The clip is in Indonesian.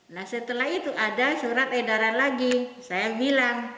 nah setelah itu ada surat edaran lagi saya bilang